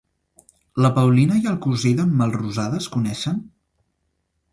La Paulina i el cosí d'en Melrosada es coneixen?